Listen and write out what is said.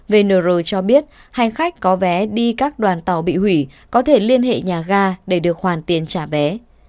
vnr cho biết hành khách có vé đi các đoàn tàu bị hủy có thể liên hệ nhà ga để được hoàn tiền trả vé